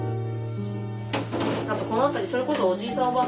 この辺りそれこそおじいさん